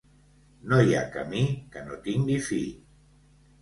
No hi ha camí que no tingui fi.